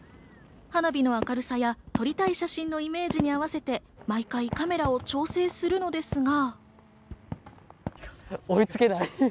花火の明るさや撮りたい写真のイメージに合わせて、毎回カメラを調整するのですが。